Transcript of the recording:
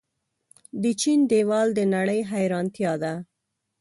د چین دیوال د نړۍ حیرانتیا ده.